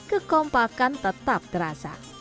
kekompakan tetap terasa